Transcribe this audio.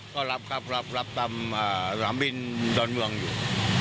ก็รับครับรับตามสนามบินดอนเมืองอยู่